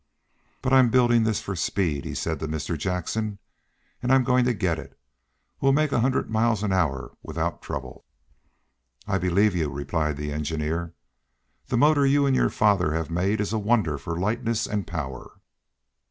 "But I'm building this for speed," he said to Mr. Jackson, "and I'm going to get it! We'll make a hundred miles an hour without trouble." "I believe you," replied the engineer. "The motor you and your father have made is a wonder for lightness and power."